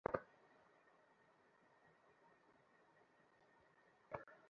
অপেক্ষাকৃত পণ্ডিত ব্যক্তি মনকেই আত্মা বলিয়া মনে করেন।